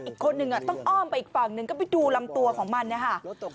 อีกคนนึงต้องอ้อมไปอีกฝั่งหนึ่งก็ไปดูลำตัวของมันนะคะ